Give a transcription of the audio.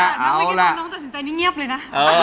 น้องไม่กินตอนน้องสินใจนี่เงียบเลยนะ